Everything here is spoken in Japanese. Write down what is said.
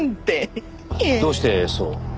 どうしてそう？